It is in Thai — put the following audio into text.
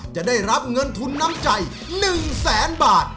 จะได้รับเงินทุนน้ำใจ๑แสนบาท